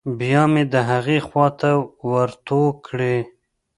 بيا مې د هغې خوا ته ورتو کړې.